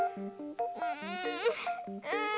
うんうんあ